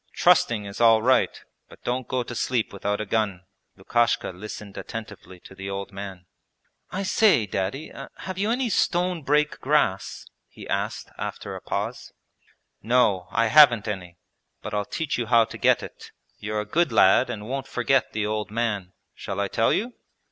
Trusting is all right, but don't go to sleep without a gun.' Lukashka listened attentively to the old man. 'I say. Daddy, have you any stone break grass?' he asked after a pause. 'No, I haven't any, but I'll teach you how to get it. You're a good lad and won't forget the old man.... Shall I tell you?'